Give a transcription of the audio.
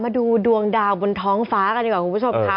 มาดูดวงดาวบนท้องฟ้ากันดีกว่าคุณผู้ชมค่ะ